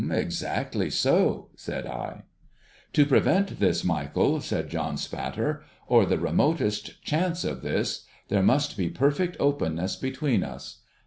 ' Exactly so,' said I. 'To prevent this, Michael,' said John Spatter, 'or the remotest chance of this, there must be perfect openness between us.